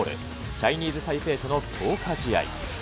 チャイニーズ・タイペイとの強化試合。